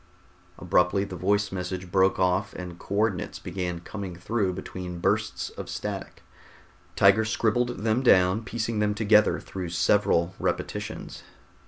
Abruptly the voice message broke off and co ordinates began coming through between bursts of static. Tiger scribbled them down, piecing them together through several repetitions.